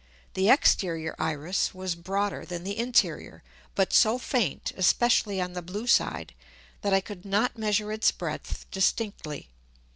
The exterior Iris was broader than the interior, but so faint, especially on the blue side, that I could not measure its breadth distinctly.